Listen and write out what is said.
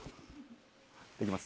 できます？